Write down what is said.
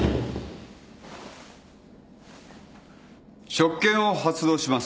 職権を発動します。